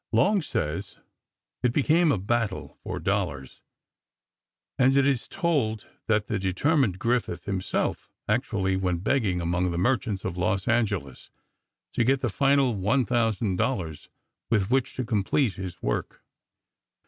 Long says: It became a battle for dollars, and it is told that the determined Griffith himself actually went begging among the merchants of Los Angeles to get the final one thousand dollars with which to complete his work.